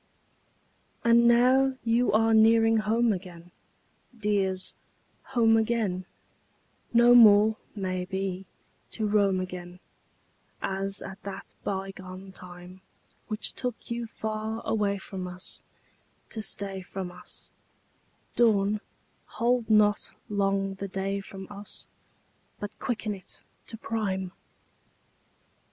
IV And now you are nearing home again, Dears, home again; No more, may be, to roam again As at that bygone time, Which took you far away from us To stay from us; Dawn, hold not long the day from us, But quicken it to prime!